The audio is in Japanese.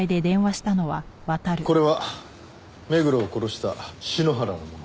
これは目黒を殺した篠原のものだ。